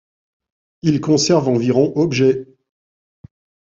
Il conserve environ objets.